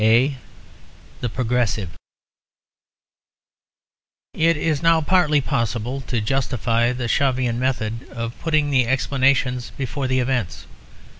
The Progressive It is now partly possible to justify the Shavian method of putting the explanations before the events.